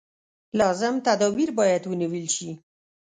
لازم تدابیر باید ونېول شي.